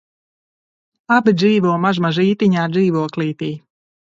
Abi dzīvo mazmazītiņā dzīvoklītī